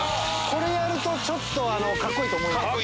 これやるとちょっとカッコいいと思います。